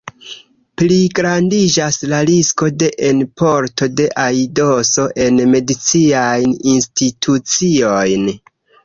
Pligrandiĝas la risko de enporto de aidoso en medicinajn instituciojn.